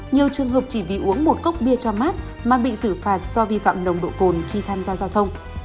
nhiều trường hợp chỉ vì uống một cốc bia cho mát mà bị xử phạt do vi phạm nồng độ cồn khi tham gia giao thông